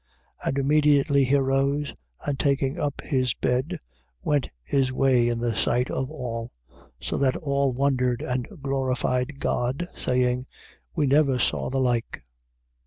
2:12. And immediately he arose and, taking up his bed, went his way in the sight of all: so that all wondered and glorified God, saying: We never saw the like.